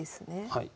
はい。